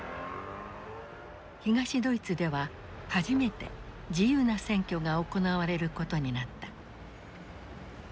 東ドイツでは初めて自由な選挙が行われることになった。